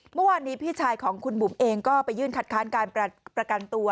เมื่อวานนี้พี่ชายของคุณบุ๋มเองก็ไปยื่นคัดค้านการประกันตัว